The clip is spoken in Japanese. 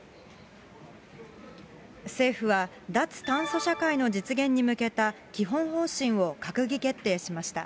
政府は、脱炭素社会の実現に向けた基本方針を閣議決定しました。